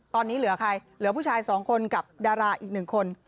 ตอนนี้เหลือใครเหลือผู้ชาย๒คนกับดาราอีกหนึ่งคน